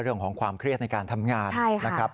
เรื่องของความเครียดในการทำงานนะครับ